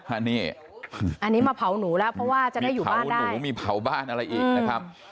อันนี้อันนี้มาเผาหนูแล้วเพราะว่าจะได้อยู่บ้านหนูมีเผาบ้านอะไรอีกนะครับ